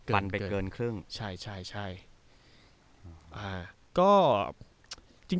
ปันไปเกินครึ่ง